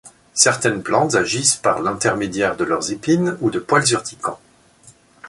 Certaines plantes agissent par l'intermédiaire de leurs épines ou de poils urticants.